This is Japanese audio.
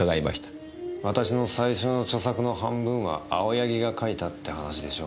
私の最初の著作の半分は青柳が書いたって話でしょ？